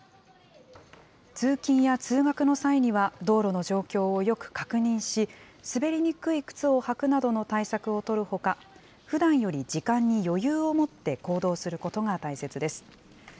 通勤や通学の際には、道路の状況をよく確認し、滑りにくい靴を履くなどの対策を取るほか、ふだんより時間に余裕を持って行動することが大切です。